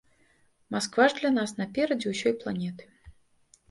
Масква ж для нас наперадзе ўсёй планеты.